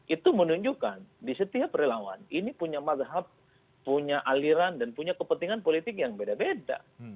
itu menunjukkan di setiap relawan ini punya mazhab punya aliran dan punya kepentingan politik yang beda beda